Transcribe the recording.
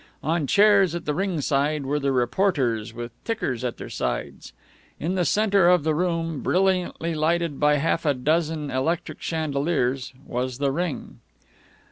On chairs at the ringside were the reporters with tickers at their sides. In the center of the room, brilliantly lighted by half a dozen electric chandeliers, was the ring.